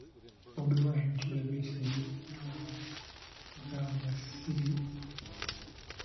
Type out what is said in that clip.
Bobi Wine, Kizza Besigye, n'abalala bagamba sibeetegefu kukkiriza kalulu akataliimu kampeyini.